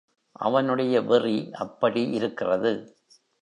அவனுடைய வெறி அப்படி இருக்கிறது!